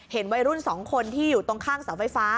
วัยรุ่น๒คนที่อยู่ตรงข้างเสาไฟฟ้า